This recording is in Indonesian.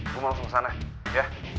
gue mau langsung ke sana ya